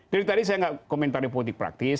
dari tadi saya nggak komentari politik praktis